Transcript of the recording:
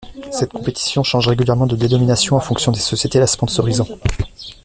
Cette compétition change régulièrement de dénomination en fonction des sociétés la sponsorisant.